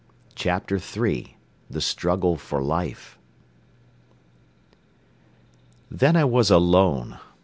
CHAPTER III THE STRUGGLE FOR LIFE Then I was alone.